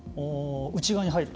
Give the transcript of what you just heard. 内側に入ると？